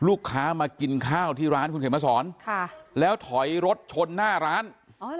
ลูกค้ามากินข้าวที่ร้านคุณเขียนมาสอนแล้วถอยรถชนหน้าร้าน